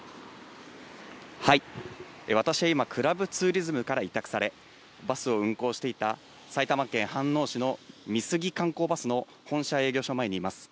私は今、クラブツーリズムから委託され、バスを運行していた埼玉県飯能市の美杉観光バスの本社営業所前にいます。